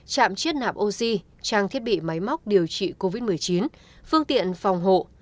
chạm chiết nạp oxy trang thiết bị máy móc điều trị covid một mươi chín phương tiện phòng hộ